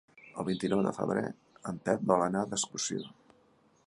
El vint-i-nou de febrer en Pep vol anar d'excursió.